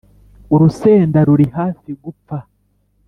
urusenda ruri hafi gupfa.